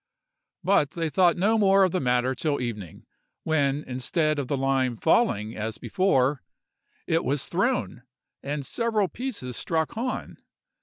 But they thought no more of the matter till evening, when, instead of the lime falling as before, it was thrown, and several pieces struck Hahn.